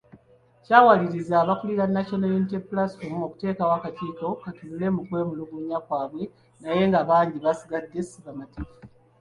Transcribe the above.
Kyawaliriza abakulira National Unity Platform okuteekawo akakiiko katunule mu kwemulugunya kwabwe naye bangi basigadde si bamativu.